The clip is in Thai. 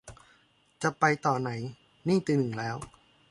จะไปต่อไหน นี่ตีหนึ่งแล้ว